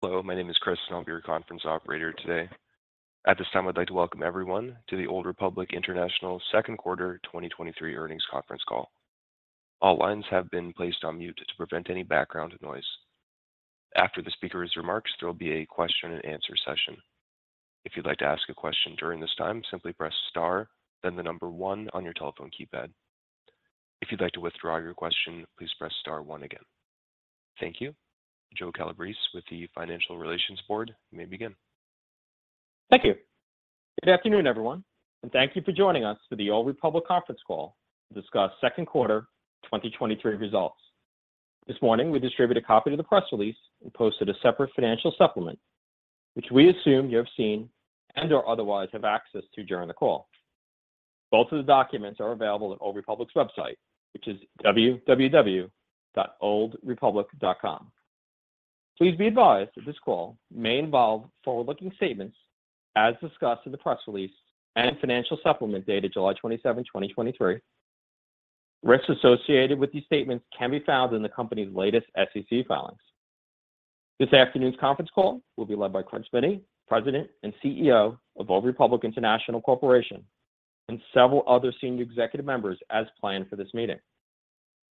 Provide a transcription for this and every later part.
Hello, my name is Chris. I'll be your conference operator today. At this time, I'd like to welcome everyone to the Old Republic International Second Quarter 2023 Earnings Conference Call. All lines have been placed on mute to prevent any background noise. After the speaker's remarks, there will be a question-and answer session. If you'd like to ask a question during this time, simply press star, then 1 on your telephone keypad. If you'd like to withdraw your question, please press star 1 again. Thank you. Joe Calabrese with the Financial Relations Board, you may begin. Thank you. Good afternoon, everyone, and thank you for joining us for the Old Republic Conference Call to discuss second quarter 2023 results. This morning, we distributed a copy of the press release and posted a separate financial supplement, which we assume you have seen and/or otherwise have access to during the call. Both of the documents are available at Old Republic's website, which is www.oldrepublic.com. Please be advised that this call may involve forward-looking statements as discussed in the press release and financial supplement dated July 27, 2023. Risks associated with these statements can be found in the company's latest SEC filings. This afternoon's conference call will be led by Craig Smiddy, President and CEO of Old Republic International Corporation, and several other senior executive members as planned for this meeting.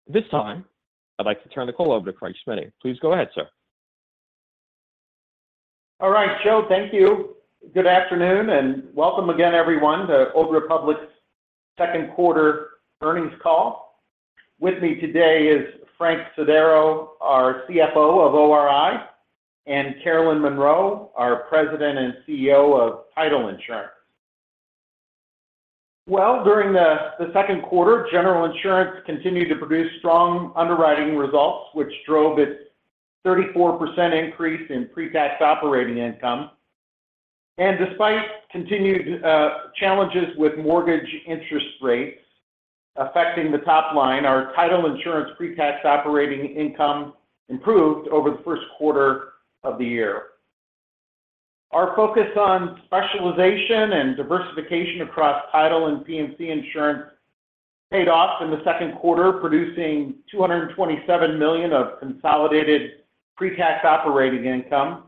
At this time, I'd like to turn the call over to Craig Smiddy. Please go ahead, sir. All right, Joe, thank you. Good afternoon, and welcome again, everyone, to Old Republic's second quarter earnings call. With me today is Frank Sodaro, our CFO of ORI, and Carolyn Monroe, our President and CEO of Title Insurance. Well, during the second quarter, General Insurance continued to produce strong underwriting results, which drove its 34% increase in pre-tax operating income. Despite continued challenges with mortgage interest rates affecting the top line, our Title Insurance pre-tax operating income improved over the first quarter of the year. Our focus on specialization and diversification across Title and P&C insurance paid off in the second quarter, producing $227 million of consolidated pre-tax operating income.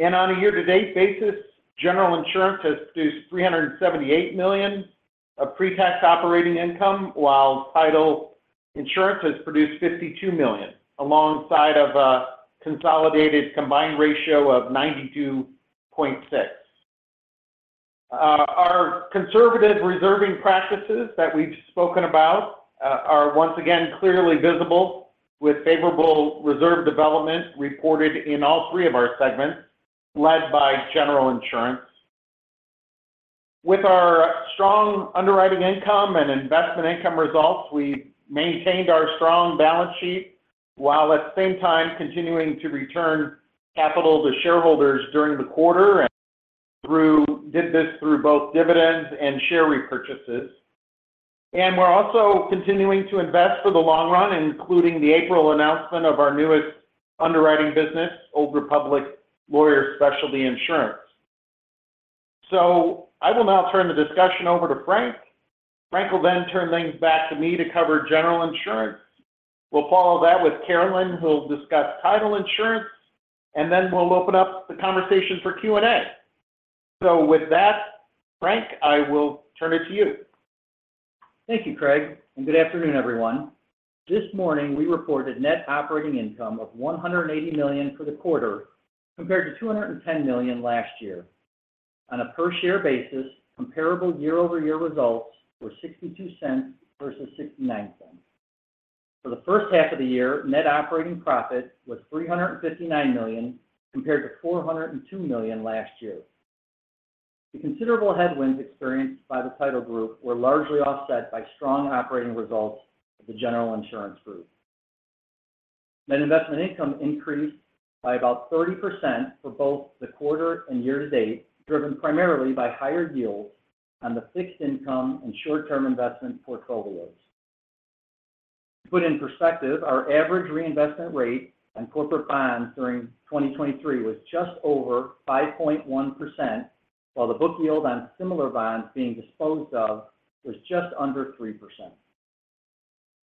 On a year-to-date basis, General Insurance has produced $378 million of pre-tax operating income, while Title Insurance has produced $52 million, alongside of a consolidated combined ratio of 92.6. Our conservative reserving practices that we've spoken about are once again clearly visible, with favorable reserve development reported in all three of our segments, led by General Insurance. With our strong underwriting income and investment income results, we've maintained our strong balance sheet, while at the same time continuing to return capital to shareholders during the quarter, and did this through both dividends and share repurchases. We're also continuing to invest for the long run, including the April announcement of our newest underwriting business, Old Republic Lawyers Specialty Insurance. I will now turn the discussion over to Frank. Frank will then turn things back to me to cover General Insurance. We'll follow that with Carolyn, who'll discuss Title Insurance, and then we'll open up the conversation for Q&A. With that, Frank, I will turn it to you. Thank you, Craig, and good afternoon, everyone. This morning, we reported net operating income of $180 million for the quarter, compared to $210 million last year. On a per-share basis, comparable year-over-year results were $0.62 versus $0.69. For the first half of the year, net operating profit was $359 million, compared to $402 million last year. The considerable headwinds experienced by the Title group were largely offset by strong operating results of the General Insurance group. Net investment income increased by about 30% for both the quarter and year-to-date, driven primarily by higher yields on the fixed income and short-term investment portfolios. To put in perspective, our average reinvestment rate on corporate bonds during 2023 was just over 5.1%, while the book yield on similar bonds being disposed of was just under 3%.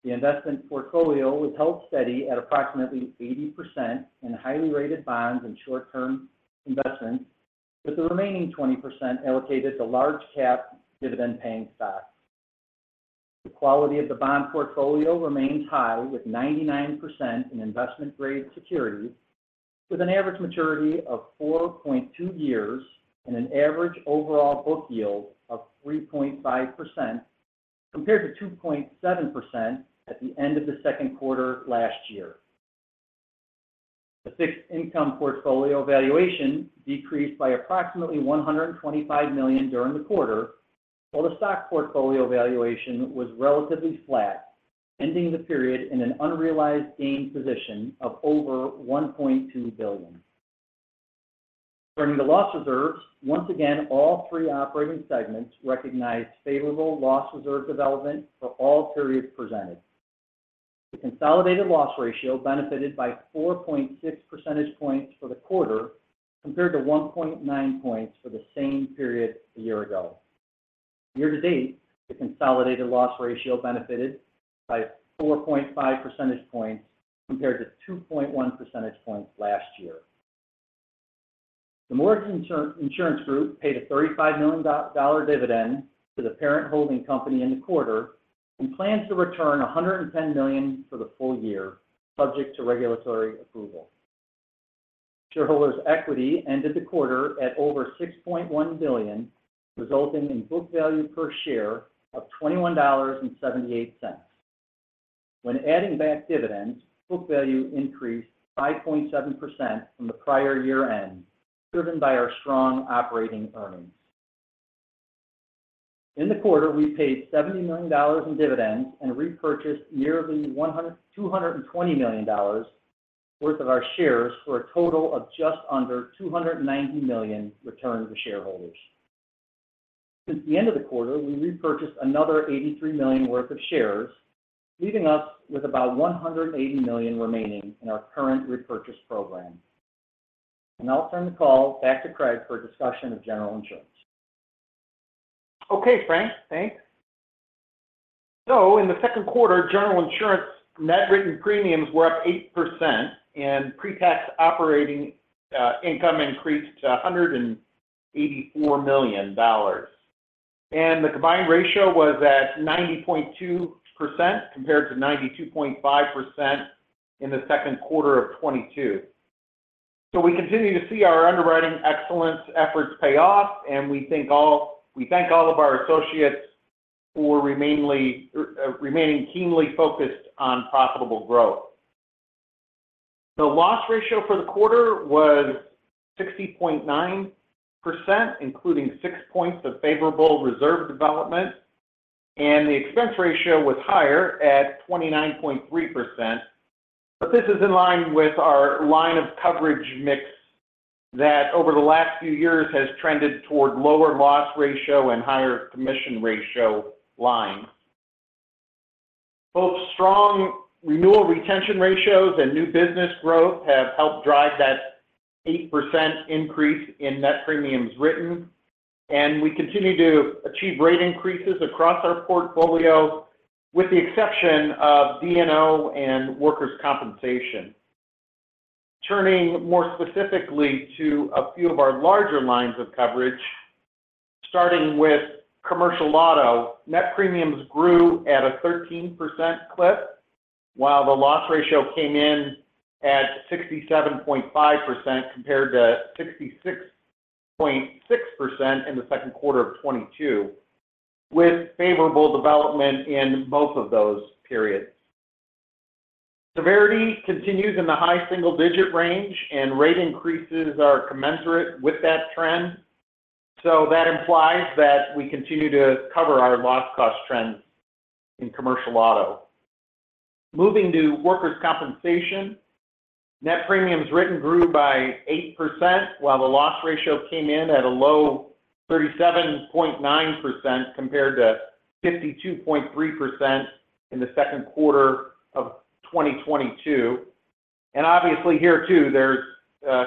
The investment portfolio was held steady at approximately 80% in highly rated bonds and short-term investments, with the remaining 20% allocated to large cap, dividend-paying stocks. The quality of the bond portfolio remains high, with 99% in investment-grade securities, with an average maturity of 4.2 years and an average overall book yield of 3.5%, compared to 2.7% at the end of the second quarter last year. The fixed income portfolio valuation decreased by approximately $125 million during the quarter, while the stock portfolio valuation was relatively flat, ending the period in an unrealized gain position of over $1.2 billion. Turning to loss reserves, once again, all three operating segments recognized favorable loss reserve development for all periods presented. The consolidated loss ratio benefited by 4.6 percentage points for the quarter, compared to 1.9 points for the same period a year ago. Year-to-date, the consolidated loss ratio benefited by 4.5 percentage points, compared to 2.1 percentage points last year. The Mortgage Insurance Group paid a $35 million dollar dividend to the parent holding company in the quarter. Plans to return $110 million for the full year, subject to regulatory approval. Shareholders' equity ended the quarter at over $6.1 billion, resulting in book value per share of $21.78. When adding back dividends, book value increased by 0.7% from the prior year-end, driven by our strong operating earnings. In the quarter, we paid $70 million in dividends and repurchased nearly $220 million worth of our shares, for a total of just under $290 million returned to shareholders. Since the end of the quarter, we repurchased another $83 million worth of shares, leaving us with about $180 million remaining in our current repurchase program. Now I'll turn the call back to Craig for a discussion of General Insurance. Okay, Frank, thanks. In the second quarter, General Insurance net written premiums were up 8%, pre-tax operating income increased to $184 million. The combined ratio was at 90.2%, compared to 92.5% in the second quarter of 2022. We continue to see our underwriting excellence efforts pay off, and we thank all of our associates for remainingly remaining keenly focused on profitable growth. The loss ratio for the quarter was 60.9%, including 6 points of favorable reserve development, and the expense ratio was higher at 29.3%. This is in line with our line of coverage mix, that over the last few years has trended toward lower loss ratio and higher commission ratio lines. Both strong renewal retention ratios and new business growth have helped drive that 8% increase in net premiums written, and we continue to achieve rate increases across our portfolio, with the exception of D&O and workers' compensation. Turning more specifically to a few of our larger lines of coverage, starting with commercial auto, net premiums grew at a 13% clip, while the loss ratio came in at 67.5%, compared to 66.6% in the second quarter of 2022, with favorable development in both of those periods. Severity continues in the high single-digit range, and rate increases are commensurate with that trend. That implies that we continue to cover our loss cost trends in commercial auto. Moving to workers' compensation, net premiums written grew by 8%, while the loss ratio came in at a low 37.9%, compared to 52.3% in the second quarter of 2022. Obviously here, too, there's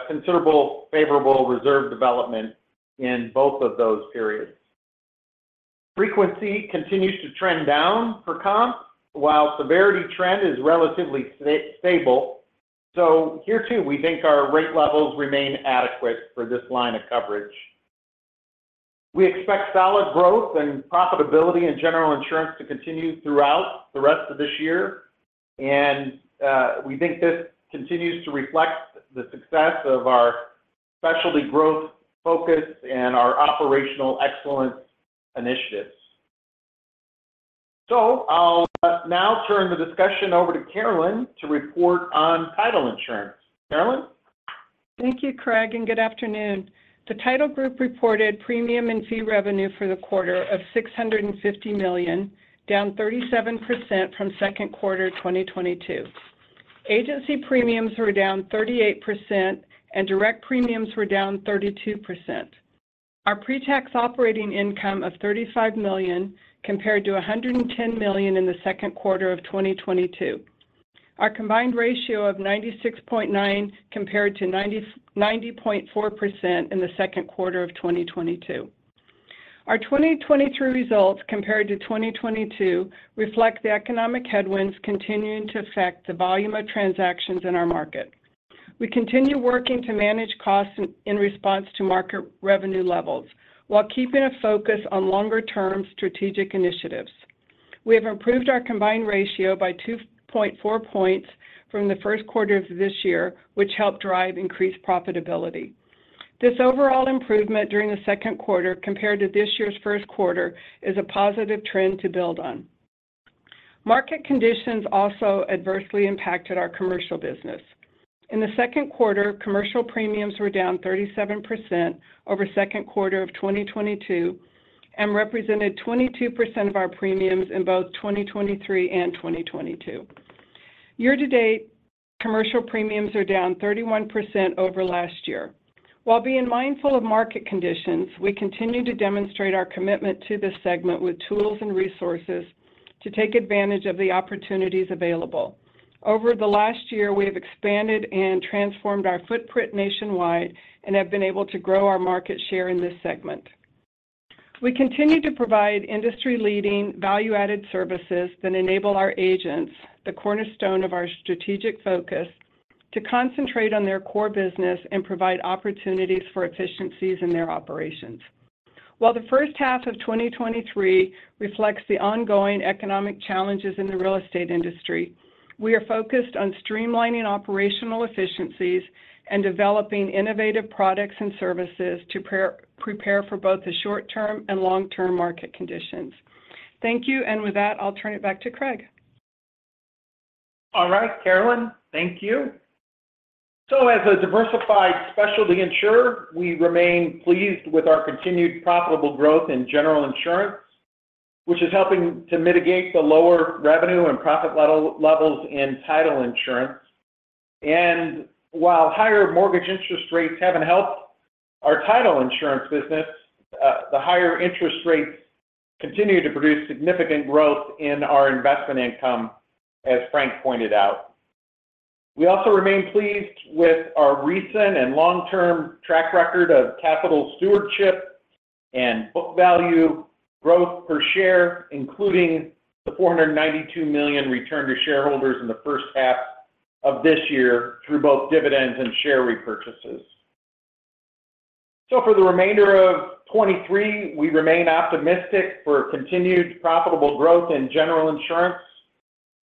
considerable favorable reserve development in both of those periods. Frequency continues to trend down for comp, while severity trend is relatively stable. Here, too, we think our rate levels remain adequate for this line of coverage. We expect solid growth and profitability in General Insurance to continue throughout the rest of this year, we think this continues to reflect the success of our specialty growth focus and our operational excellence initiatives. I'll now turn the discussion over to Carolyn to report on Title Insurance. Carolyn? Thank you, Craig, and good afternoon. The Title group reported premium and fee revenue for the quarter of $650 million, down 37% from second quarter 2022. Agency premiums were down 38%, and direct premiums were down 32%. Our pre-tax operating income of $35 million, compared to $110 million in the second quarter of 2022. Our combined ratio of 96.9, compared to 90.4% in the second quarter of 2022. Our 2023 results, compared to 2022, reflect the economic headwinds continuing to affect the volume of transactions in our market. We continue working to manage costs in response to market revenue levels, while keeping a focus on longer-term strategic initiatives. We have improved our combined ratio by 2.4 points from the first quarter of this year, which helped drive increased profitability. This overall improvement during the second quarter, compared to this year's first quarter, is a positive trend to build on. Market conditions also adversely impacted our commercial business. In the second quarter, commercial premiums were down 37% over second quarter of 2022 and represented 22% of our premiums in both 2023 and 2022. Year-to-date, commercial premiums are down 31% over last year. While being mindful of market conditions, we continue to demonstrate our commitment to this segment with tools and resources to take advantage of the opportunities available. Over the last year, we have expanded and transformed our footprint nationwide and have been able to grow our market share in this segment. We continue to provide industry-leading, value-added services that enable our agents, the cornerstone of our strategic focus, to concentrate on their core business and provide opportunities for efficiencies in their operations. While the first half of 2023 reflects the ongoing economic challenges in the real estate industry, we are focused on streamlining operational efficiencies and developing innovative products and services to prepare for both the short-term and long-term market conditions. Thank you. With that, I'll turn it back to Craig. All right, Carolyn, thank you. As a diversified specialty insurer, we remain pleased with our continued profitable growth in General Insurance, which is helping to mitigate the lower revenue and profit levels in Title Insurance. While higher mortgage interest rates haven't helped our Title Insurance business, the higher interest rates continue to produce significant growth in our investment income, as Frank pointed out. We also remain pleased with our recent and long-term track record of capital stewardship and book value growth per share, including the $492 million returned to shareholders in the first half of this year through both dividends and share repurchases. For the remainder of 2023, we remain optimistic for continued profitable growth in General Insurance,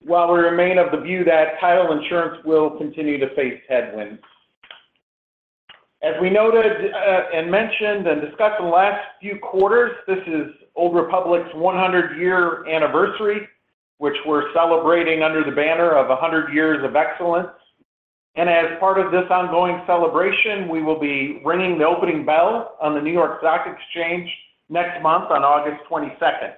while we remain of the view that Title Insurance will continue to face headwinds. As we noted, mentioned and discussed the last few quarters, this is Old Republic's 100-year anniversary, which we're celebrating under the banner of 100 Years of Excellence. As part of this ongoing celebration, we will be ringing the opening bell on the New York Stock Exchange next month on August 22nd.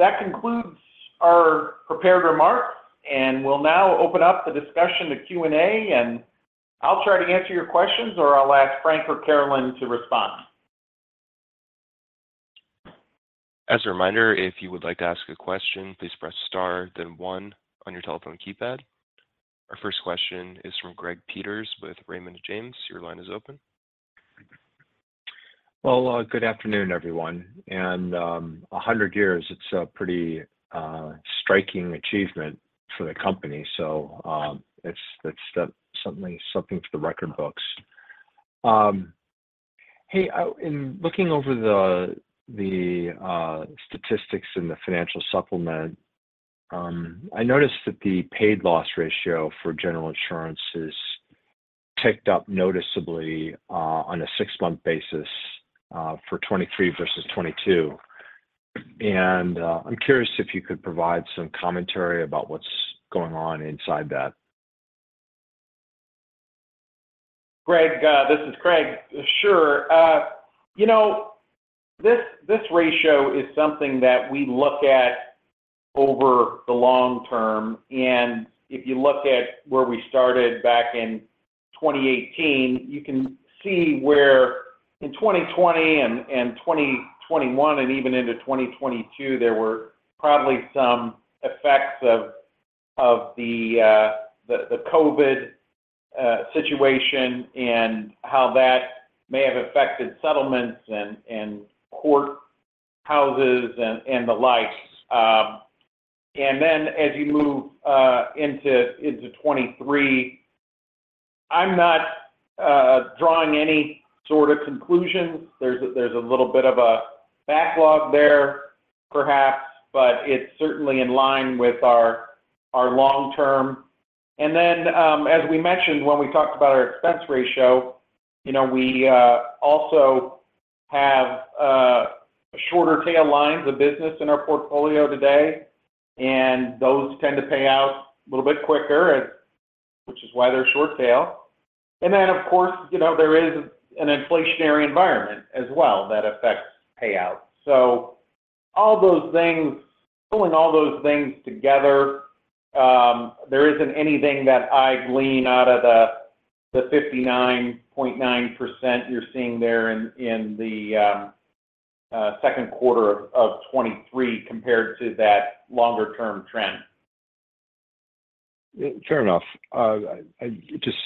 That concludes our prepared remarks, and we'll now open up the discussion to Q&A, and I'll try to answer your questions, or I'll ask Frank or Carolyn to respond. As a reminder, if you would like to ask a question, please press star, then one on your telephone keypad. Our first question is from Greg Peters with Raymond James. Your line is open. Well, good afternoon, everyone, and 100 years, it's a pretty striking achievement for the company. it's, that's certainly something for the record books. Hey, I, in looking over the statistics and the financial supplement, I noticed that the paid loss ratio for General Insurance is ticked up noticeably on a six-month basis for 2023 versus 2022. I'm curious if you could provide some commentary about what's going on inside that. Greg, this is Craig. Sure. You know, this ratio is something that we look at over the long term, and if you look at where we started back in 2018, you can see where in 2020 and 2021, and even into 2022, there were probably some effects of the COVID situation and how that may have affected settlements and courthouses and the likes. Then as you move into 2023, I'm not drawing any sort of conclusions. There's a little bit of a backlog there, perhaps, but it's certainly in line with our long term. As we mentioned, when we talked about our expense ratio, you know, we also have shorter tail lines of business in our portfolio today, and those tend to pay out a little bit quicker, which is why they're short tail. Of course, you know, there is an inflationary environment as well that affects payouts. All those things, pulling all those things together, there isn't anything that I glean out of the 59.9% you're seeing there in the second quarter of 2023 compared to that longer term trend. Fair enough. It just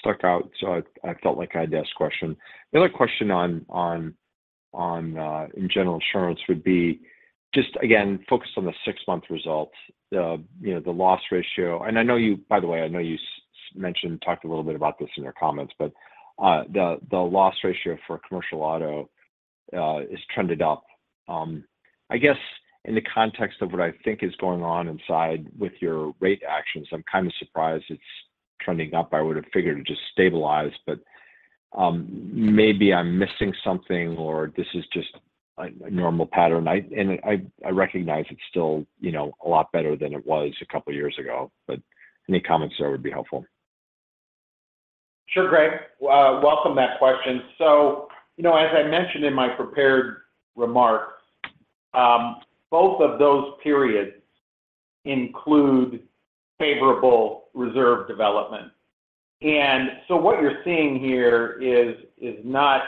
stuck out, so I felt like I had to ask question. The other question on General Insurance would be just, again, focused on the 6-month results, the, you know, the loss ratio. I know you, by the way, I know you mentioned, talked a little bit about this in your comments, but the loss ratio for commercial auto has trended up. I guess in the context of what I think is going on inside with your rate actions, I'm kind of surprised it's trending up. I would have figured it just stabilized, but maybe I'm missing something, or this is just a normal pattern. I recognize it's still, you know, a lot better than it was a couple of years ago, but any comments there would be helpful. Sure, Greg, welcome that question. You know, as I mentioned in my prepared remarks, both of those periods include favorable reserve development. What you're seeing here is not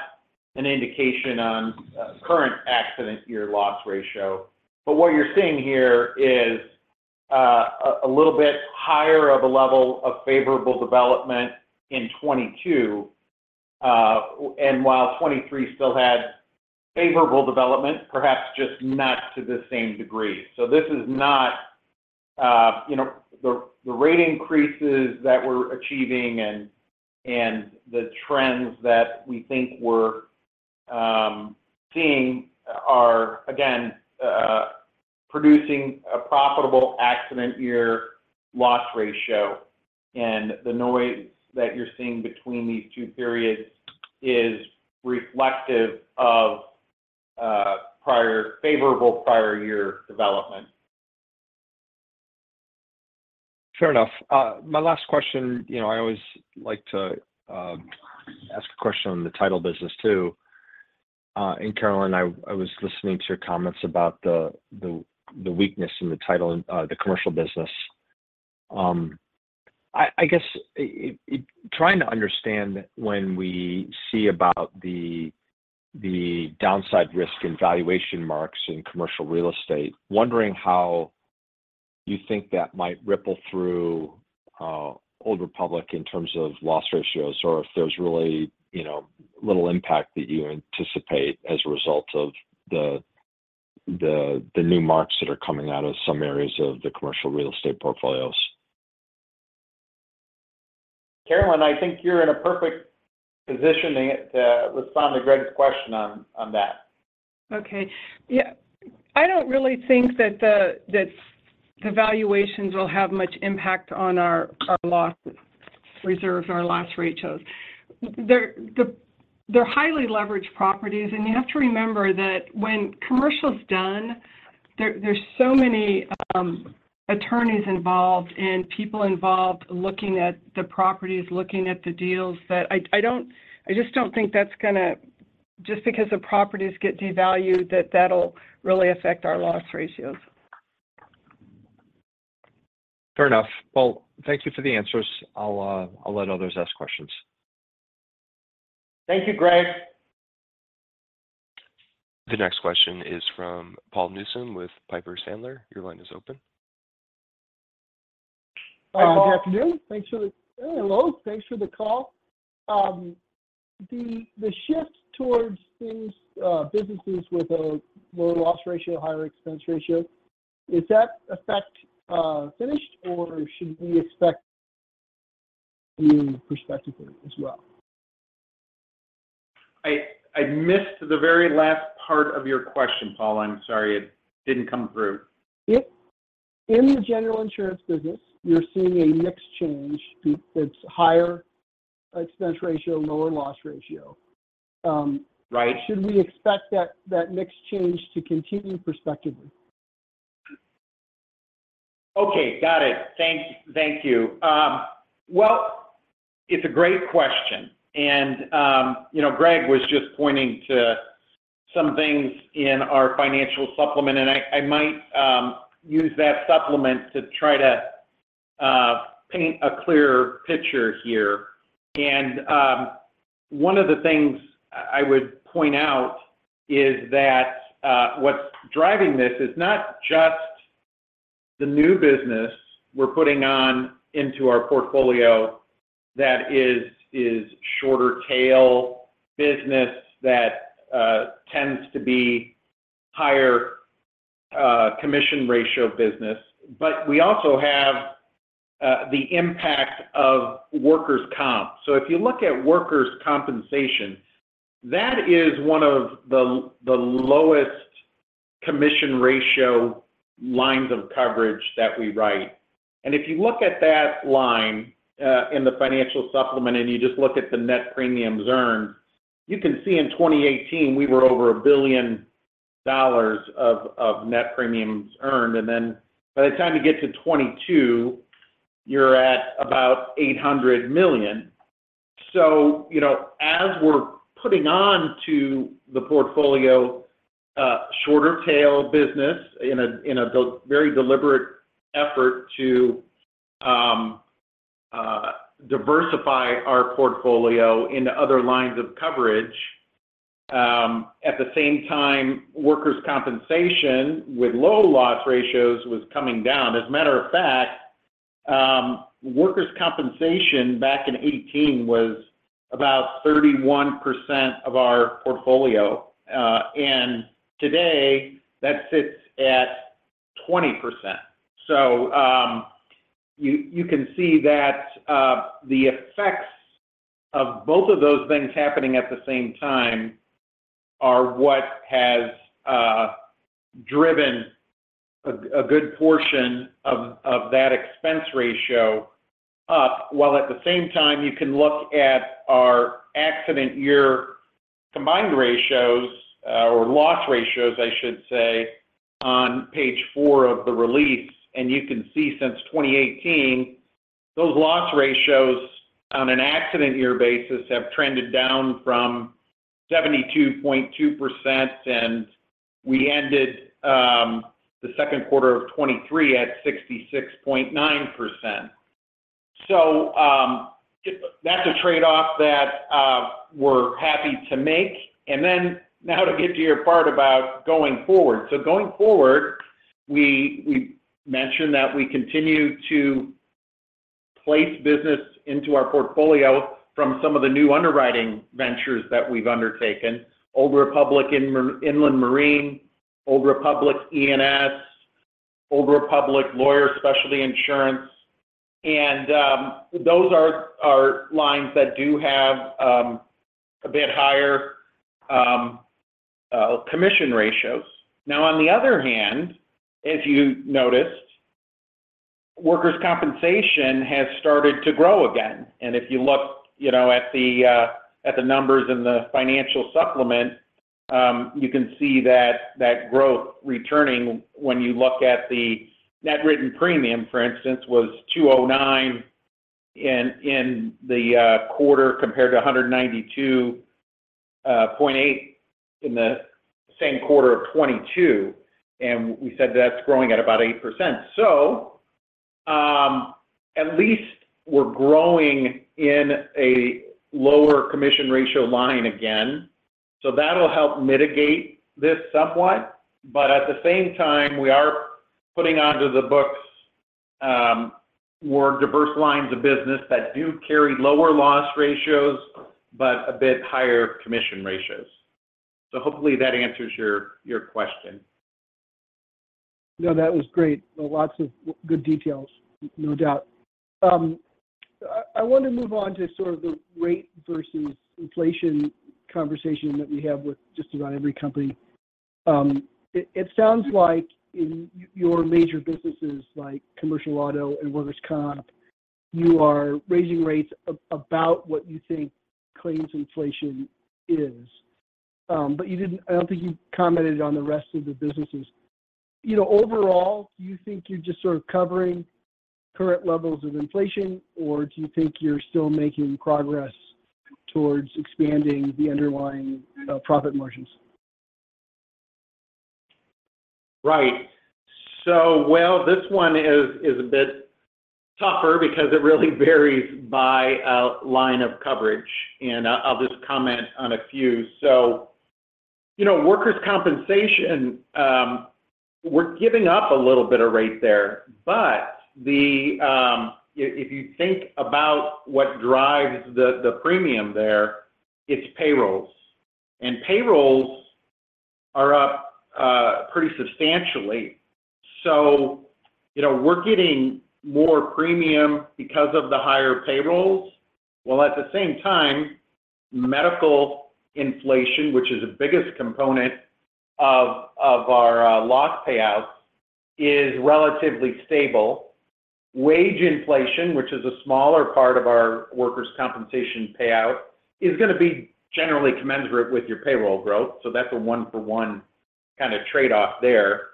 an indication on current accident year loss ratio, but what you're seeing here is a little bit higher of a level of favorable development in 22. While 23 still had favorable development, perhaps just not to the same degree. This is not, you know, the rate increases that we're achieving and the trends that we think we're seeing are, again, producing a profitable accident year loss ratio. The noise that you're seeing between these two periods is reflective of prior, favorable prior year development. Fair enough. My last question, you know, I always like to ask a question on the Title business, too. Carolyn Monroe, I was listening to your comments about the weakness in the Title, the commercial business. I guess, trying to understand when we see about the downside risk in valuation marks in commercial real estate, wondering how you think that might ripple through Old Republic in terms of loss ratios, or if there's really, you know, little impact that you anticipate as a result of the new marks that are coming out of some areas of the commercial real estate portfolios? Carolyn, I think you're in a perfect position to respond to Greg's question on that. Okay. Yeah, I don't really think that the valuations will have much impact on our loss reserves, our loss ratios. They're highly leveraged properties, and you have to remember that when commercial's done, there's so many attorneys involved and people involved looking at the properties, looking at the deals, that I just don't think that's gonna, just because the properties get devalued, that that'll really affect our loss ratios. Fair enough. Thank you for the answers. I'll let others ask questions. Thank you, Greg. The next question is from Paul Newsome with Piper Sandler. Your line is open. Hi, Paul. Good afternoon. Thanks for the... Hello, thanks for the call. The shift towards these businesses with a lower loss ratio, higher expense ratio, is that effect finished, or should we expect being prospectively as well? I missed the very last part of your question, Paul. I'm sorry, it didn't come through. If in the General Insurance business, you're seeing a mix change that's higher expense ratio, lower loss ratio. Right. Should we expect that mix change to continue prospectively? Okay, got it. Thank you. Well, it's a great question, and, you know, Greg was just pointing to some things in our financial supplement, and I might use that supplement to try to paint a clearer picture here. One of the things I would point out is that what's driving this is not just the new business we're putting on into our portfolio that is shorter tail business that tends to be higher commission ratio business, but we also have the impact of workers' comp. If you look at workers' compensation, that is one of the lowest commission ratio lines of coverage that we write. If you look at that line, in the financial supplement, and you just look at the net premiums earned, you can see in 2018, we were over $1 billion of net premiums earned, and then by the time you get to 2022, you're at about $800 million. You know, as we're putting on to the portfolio, shorter tail business in a very deliberate effort to diversify our portfolio into other lines of coverage, at the same time, workers' compensation with low loss ratios was coming down. As a matter of fact, workers' compensation back in 2018 was about 31% of our portfolio, and today, that sits at 20%. You can see that the effects of both of those things happening at the same time are what has driven a good portion of that expense ratio up. While at the same time, you can look at our accident year combined ratios, or loss ratios, I should say, on page four of the release, and you can see since 2018, those loss ratios on an accident year basis have trended down 72.2%, and we ended the second quarter of 2023 at 66.9%. That's a trade-off that we're happy to make. Now to get to your part about going forward. Going forward, we mentioned that we continue to place business into our portfolio from some of the new underwriting ventures that we've undertaken, Old Republic Inland Marine, Old Republic E&S, Old Republic Lawyers Specialty Insurance. Those are lines that do have a bit higher commission ratios. On the other hand, as you noticed, workers' compensation has started to grow again. If you look, you know, at the numbers in the financial supplement, you can see that growth returning when you look at the net written premium, for instance, was $209 in the quarter, compared to $192.8 in the same quarter of 2022, and we said that's growing at about 8%. At least we're growing in a lower commission ratio line again, so that'll help mitigate this somewhat. At the same time, we are putting onto the books, more diverse lines of business that do carry lower loss ratios, but a bit higher commission ratios. Hopefully that answers your, your question. No, that was great. Lots of good details, no doubt. I want to move on to sort of the rate versus inflation conversation that we have with just about every company. It sounds like in your major businesses, like commercial auto and workers' comp, you are raising rates about what you think claims inflation is. You didn't... I don't think you commented on the rest of the businesses. You know, overall, do you think you're just sort of covering current levels of inflation, or do you think you're still making progress towards expanding the underlying profit margins? Right. Well, this one is a bit tougher because it really varies by line of coverage, and I'll just comment on a few. You know, workers' compensation, we're giving up a little bit of rate there, but if you think about what drives the premium there, it's payrolls, and payrolls are up pretty substantially. You know, we're getting more premium because of the higher payrolls, while at the same time, medical inflation, which is the biggest component of our loss payouts, is relatively stable. Wage inflation, which is a smaller part of our workers' compensation payout, is going to be generally commensurate with your payroll growth, so that's a one for one kind of trade-off there.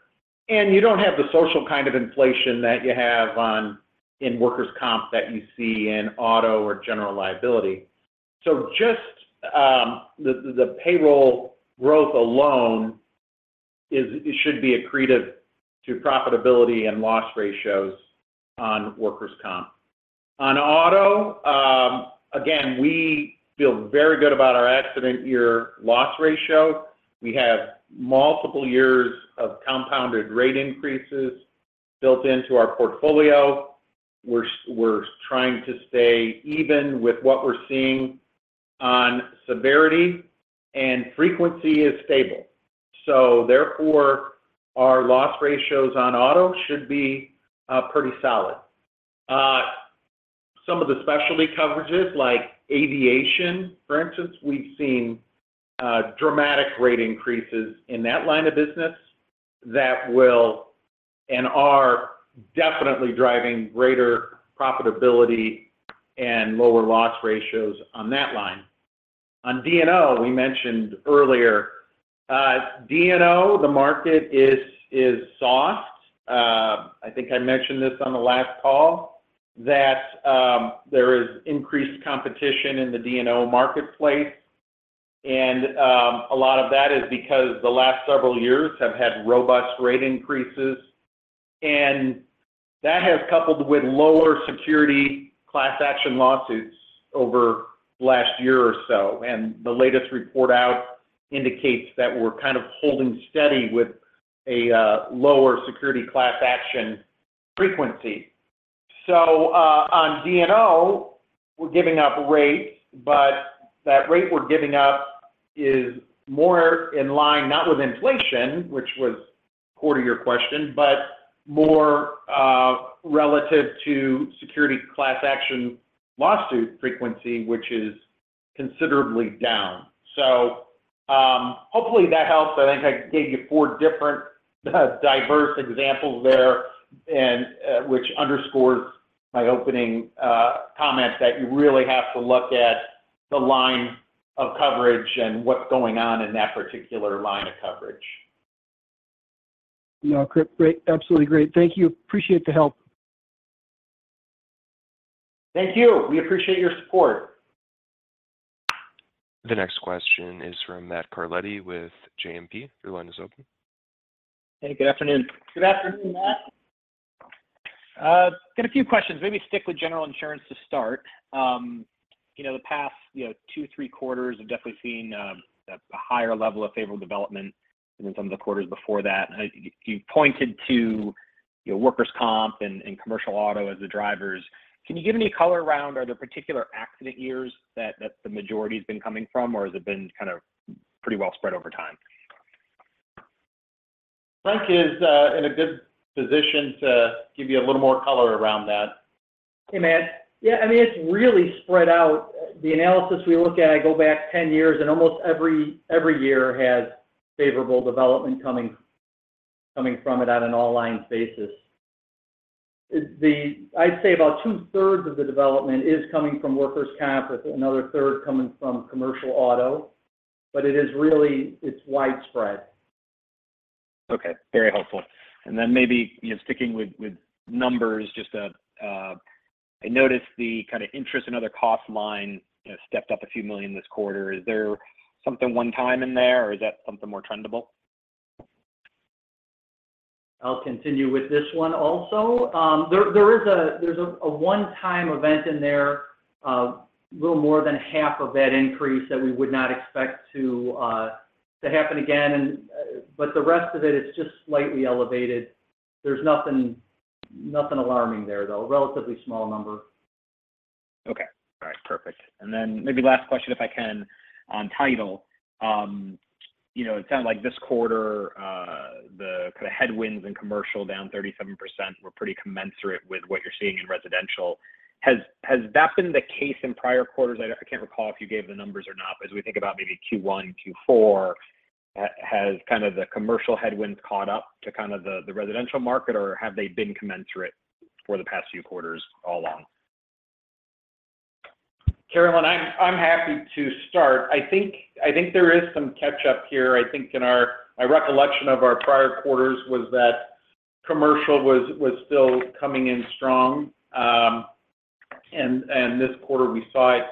You don't have the social kind of inflation that you have on, in workers' comp that you see in auto or general liability. Just the payroll growth alone should be accretive to profitability and loss ratios on workers' comp. On auto, again, we feel very good about our accident year loss ratio. We have multiple years of compounded rate increases built into our portfolio. We're trying to stay even with what we're seeing on severity, and frequency is stable. Therefore, our loss ratios on auto should be pretty solid. Some of the specialty coverages, like aviation, for instance, we've seen dramatic rate increases in that line of business that will and are definitely driving greater profitability and lower loss ratios on that line. On D&O, we mentioned earlier, D&O, the market is soft. I think I mentioned this on the last call, that there is increased competition in the D&O marketplace, and a lot of that is because the last several years have had robust rate increases, and that has coupled with lower securities class action lawsuits over last year or so. The latest report out indicates that we're kind of holding steady with a lower securities class action frequency. On D&O, we're giving up rates, but that rate we're giving up is more in line, not with inflation, which was core to your question, but more relative to securities class action lawsuit frequency, which is considerably down. Hopefully, that helps. I think I gave you four different, diverse examples there, and which underscores my opening comments, that you really have to look at the line of coverage and what's going on in that particular line of coverage. Yeah, great. Absolutely great. Thank you. Appreciate the help. Thank you. We appreciate your support. The next question is from Matt Carletti with JMP. Your line is open. Hey, good afternoon. Good afternoon, Matt. Got a few questions. Maybe stick with General Insurance to start. You know, the past, you know, two, three quarters have definitely seen a higher level of favorable development than some of the quarters before that. I think you pointed to, you know, workers' comp and commercial auto as the drivers. Can you give any color around, are there particular accident years that the majority has been coming from, or has it been kind of pretty well spread over time? Frank is in a good position to give you a little more color around that. Hey, Matt. Yeah, I mean, it's really spread out. The analysis we look at, I go back 10 years, and almost every year has favorable development coming from it on an all line basis. I'd say about two-thirds of the development is coming from workers' comp, with another third coming from commercial auto, but it is really, it's widespread. Okay. Very helpful. Maybe, you know, sticking with, with numbers, just, I noticed the kind of interest and other cost line, you know, stepped up a few million this quarter. Is there something one time in there, or is that something more trendable? I'll continue with this one also. There's a one-time event in there, a little more than half of that increase that we would not expect to happen again. The rest of it is just slightly elevated. There's nothing alarming there, though. A relatively small number. Okay. All right, perfect. Then maybe last question, if I can, on title. You know, it sounds like this quarter, the kind of headwinds in commercial down 37% were pretty commensurate with what you're seeing in residential. Has that been the case in prior quarters? I can't recall if you gave the numbers or not, but as we think about maybe Q1, Q4, has kind of the commercial headwinds caught up to kind of the residential market, or have they been commensurate for the past few quarters all along? Carolyn, I'm happy to start. I think there is some catch up here. I think. My recollection of our prior quarters was that commercial was still coming in strong. This quarter we saw it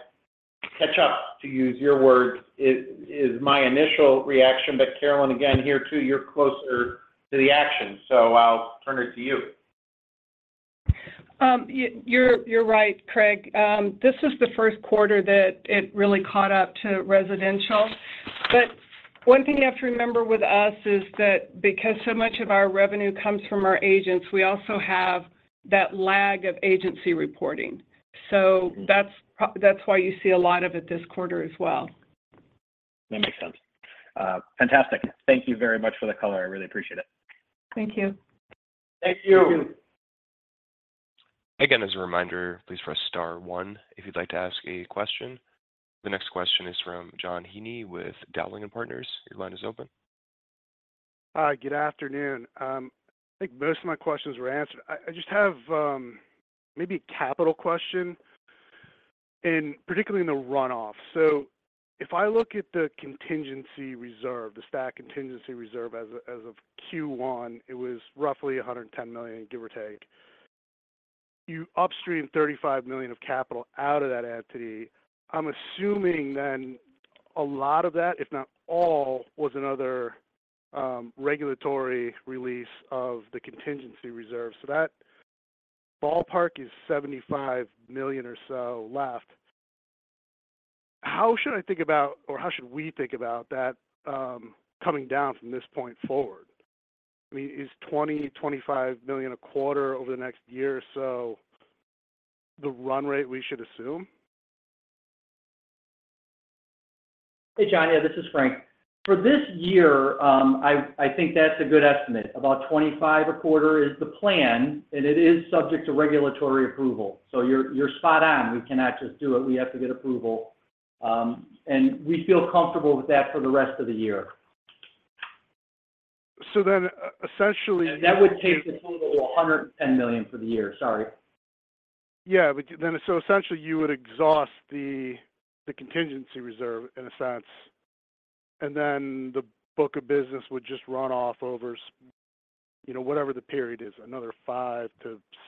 catch up, to use your word, is my initial reaction. Carolyn, again, here too, you're closer to the action, so I'll turn it to you. You're right, Craig. This is the first quarter that it really caught up to residential. One thing you have to remember with us is that because so much of our revenue comes from our agents, we also have that lag of agency reporting. That's why you see a lot of it this quarter as well. That makes sense. Fantastic. Thank you very much for the color. I really appreciate it. Thank you. Thank you. Thank you. Again, as a reminder, please press star one if you'd like to ask a question. The next question is from John Heagney with Dowling & Partners. Your line is open. Hi, good afternoon. I think most of my questions were answered. I just have maybe a capital question, and particularly in the runoff. If I look at the contingency reserve, the stat contingency reserve as of Q1, it was roughly $110 million, give or take. You up streamed $35 million of capital out of that entity. I'm assuming then a lot of that, if not all, was another regulatory release of the contingency reserve. That ballpark is $75 million or so left. How should I think about, or how should we think about that coming down from this point forward? I mean, is $20 million-$25 million a quarter over the next year or so, the run rate we should assume? Hey, John. Yeah, this is Frank. For this year, I think that's a good estimate. About 25 a quarter is the plan. It is subject to regulatory approval. You're spot on. We cannot just do it, we have to get approval. We feel comfortable with that for the rest of the year. So then, essentially- That would take the total to $110 million for the year. Sorry. Yeah. Essentially, you would exhaust the, the contingency reserve, in a sense, and then the book of business would just run off over, you know, whatever the period is, another 5-7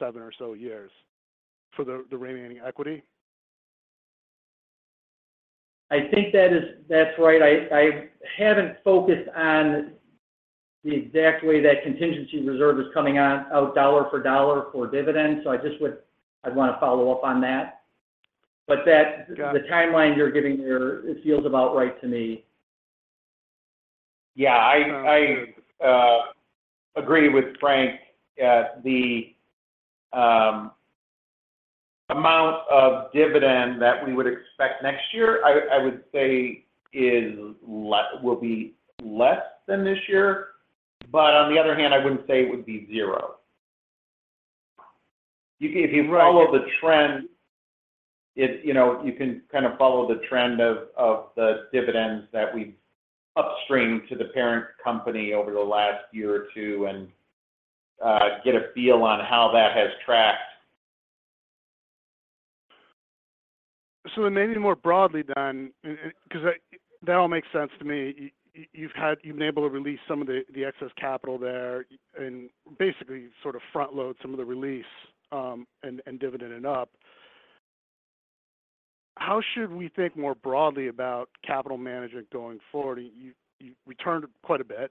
or so years for the, the remaining equity? I think that's right. I haven't focused on the exact way that contingency reserve is coming out dollar for dollar for dividends, so I just I'd want to follow up on that. Got it. The timeline you're giving here, it feels about right to me. Yeah. I agree with Frank. The amount of dividend that we would expect next year, I would say will be less than this year, on the other hand, I wouldn't say it would be zero. Right. If you follow the trend, You know, you can kind of follow the trend of the dividends that we've up streamed to the parent company over the last year or 2 and get a feel on how that has tracked. Maybe more broadly then, and, and cause that, that all makes sense to me. You've had, you've been able to release some of the excess capital there, and basically sort of front load some of the release, and dividend it up. How should we think more broadly about capital management going forward? You returned quite a bit.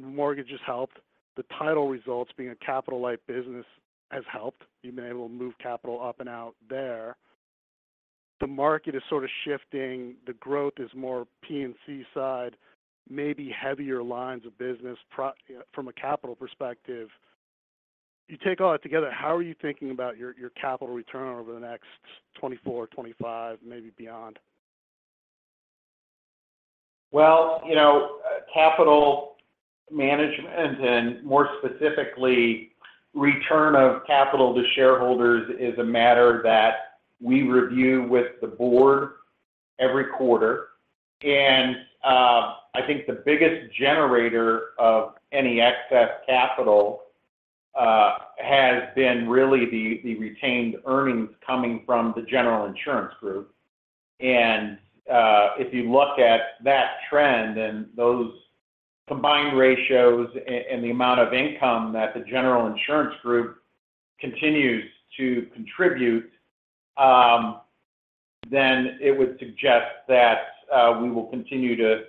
Mortgages helped. The title results, being a capital-light business, has helped. You've been able to move capital up and out there. The market is sort of shifting. The growth is more P&C side, maybe heavier lines of business from a capital perspective. You take all that together, how are you thinking about you your capital return over the next 24, 25, maybe beyond? Well, you know, capital management, and more specifically, return of capital to shareholders, is a matter that we review with the board every quarter. I think the biggest generator of any excess capital has been really the retained earnings coming from the General Insurance Group. If you look at that trend and those combined ratios and the amount of income that the General Insurance Group continues to contribute, it would suggest that we will continue to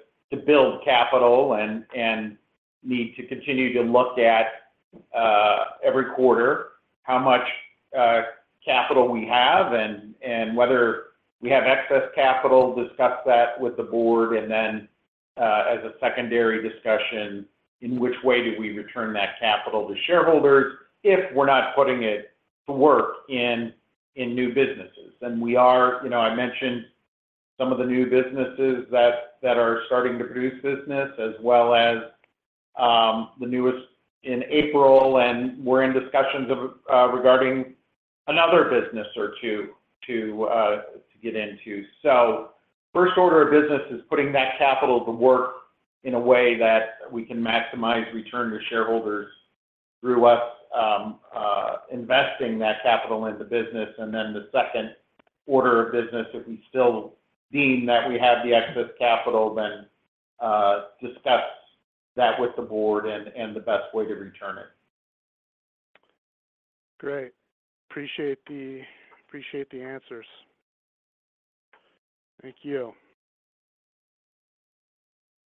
build capital and need to continue to look at every quarter, how much capital we have and whether we have excess capital, discuss that with the board, as a secondary discussion, in which way do we return that capital to shareholders if we're not putting it to work in new businesses? We are. You know, I mentioned some of the new businesses that are starting to produce business, as well as the newest in April. We're in discussions regarding another business or two to get into. First order of business is putting that capital to work in a way that we can maximize return to shareholders through us investing that capital in the business. The second order of business, if we still deem that we have the excess capital, then discuss that with the board and the best way to return it. Great. Appreciate the answers. Thank you.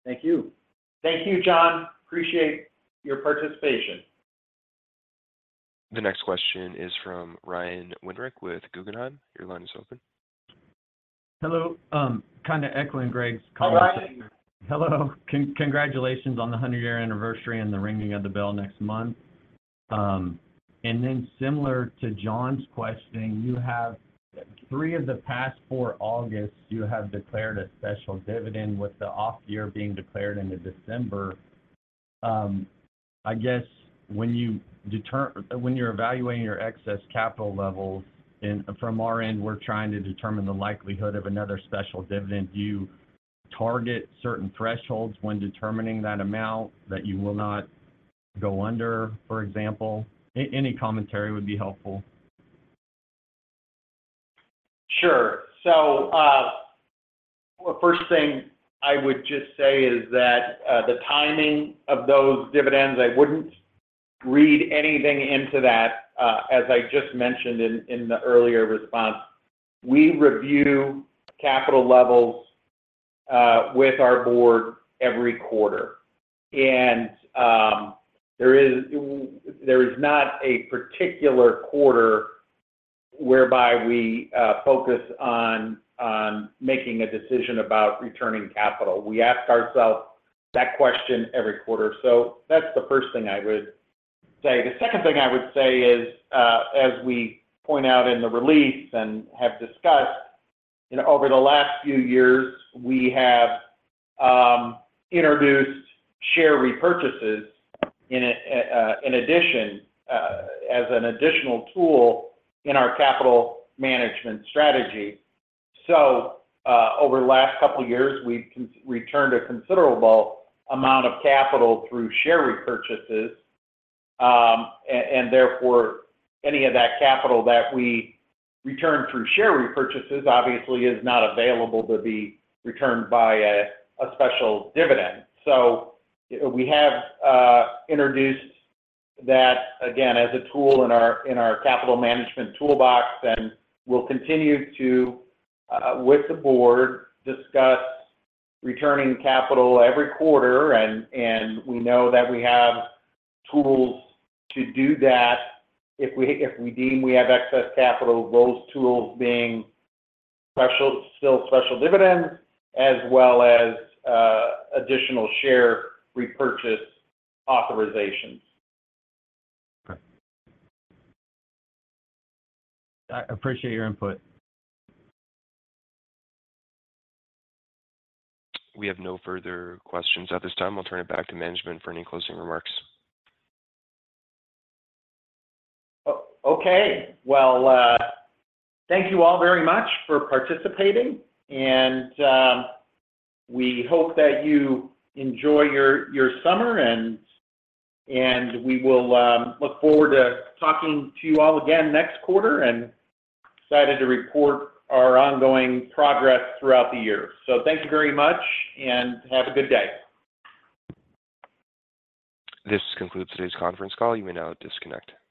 Thank you. Thank you, John. Appreciate your participation. The next question is from Ryan Winrick with Guggenheim. Your line is open. Hello. Kind of echoing Greg's comments. Hello, Ryan. Hello. Congratulations on the 100-year anniversary and the ringing of the bell next month. Similar to John's questioning, you have three of the past four Augusts, you have declared a special dividend, with the off year being declared in the December. I guess when you're evaluating your excess capital levels, and from our end, we're trying to determine the likelihood of another special dividend, do you target certain thresholds when determining that amount that you will not go under, for example? Any commentary would be helpful. Sure. First thing I would just say is that the timing of those dividends, I wouldn't read anything into that. As I just mentioned in the earlier response, we review capital levels with our board every quarter. There is not a particular quarter whereby we focus on making a decision about returning capital. We ask ourselves that question every quarter. That's the first thing I would say. The second thing I would say is as we point out in the release and have discussed, you know, over the last few years, we have introduced share repurchases in addition as an additional tool in our capital management strategy. Over the last couple of years, we've returned a considerable amount of capital through share repurchases. Therefore, any of that capital that we return through share repurchases, obviously, is not available to be returned by a special dividend. We have introduced that, again, as a tool in our capital management toolbox, and we'll continue to with the board, discuss returning capital every quarter, and we know that we have tools to do that if we deem we have excess capital, those tools being still special dividends, as well as additional share repurchase authorizations. Okay. I appreciate your input. We have no further questions at this time. I'll turn it back to management for any closing remarks. Okay. Well, thank you all very much for participating, and we hope that you enjoy your summer, and we will look forward to talking to you all again next quarter, and excited to report our ongoing progress throughout the year. Thank you very much, and have a good day. This concludes today's conference call. You may now disconnect. Thank you.